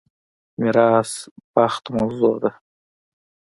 میراث بخت موضوع ده.